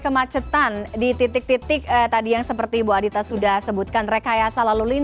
karena memang rest area ini kita identifikasi juga menjadi salah satu hal yang kita lakukan